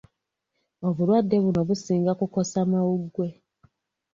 Obulwadde buno businga kukosa mawuggwe.